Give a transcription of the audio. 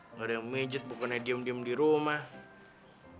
nggak ada yang maget bukannya diem diem di rumah